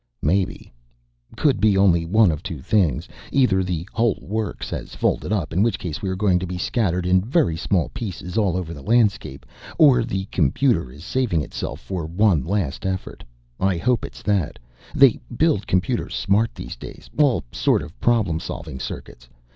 "Maybe. Could be only one of two things. Either the whole works has folded up in which case we are going to be scattered in very small pieces all over the landscape, or the computer is saving itself for one last effort. I hope that's it. They build computers smart these days, all sort of problem solving circuits.